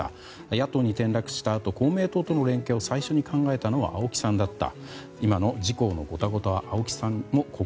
野党に転落したあと公明党との連携を最初に考えたのは青木さんだった。